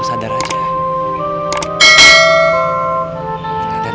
pasti tidak akan ada lagi